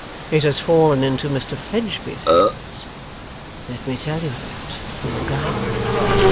It has fallen into Mr Fledgeby's hands. Let me tell you that, for your guidance.